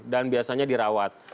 dan biasanya dirawat